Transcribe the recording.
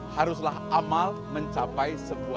haruslah amal mencapai sebuah